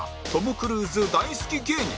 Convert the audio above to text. クルーズ大好き芸人